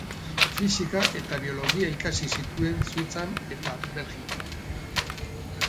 Fisika eta biologia ikasi zituen Suitzan eta Belgikan.